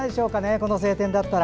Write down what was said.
この晴天だったら。